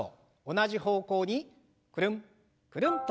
同じ方向にくるんくるんと